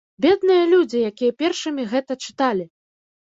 Бедныя людзі, якія першымі гэта чыталі!